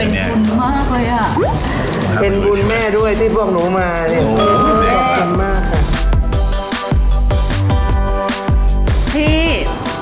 เป็นบุญแม่ด้วยที่พวกหนูมาเนี่ย